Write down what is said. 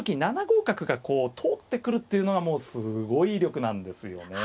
７五角がこう通ってくるっていうのがもうすごい威力なんですよね。